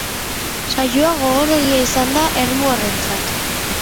Saioa gogorregia izan da ermuarrarentzat.